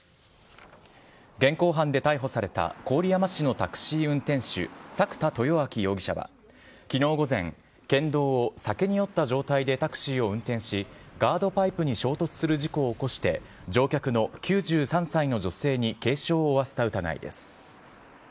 現行犯で逮捕された郡山市のタクシー運転手、作田豊秋容疑者は、きのう午前、県道を酒に酔った状態でタクシーを運転し、ガードパイプを衝突する事故を起こして、乗客の９３歳の女性に軽傷を負わせた疑いです。